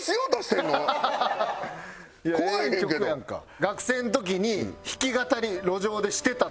学生の時に弾き語り路上でしてたと。